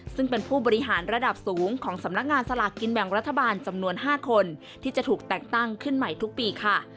ซึ่งเป็นผู้บริหารระดับสูงของสำนักงานสลากกินแบ่งรัฐบาลจำนวน๕คนที่จะถูกแต่งตั้งขึ้นใหม่ทุกปีค่ะ